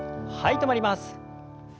止まります。